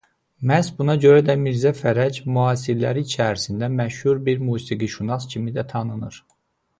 Məhz buna görə də Mirzə Fərəc müasirləri içərisində məşhur bir musiqişünas kimi də tanınır.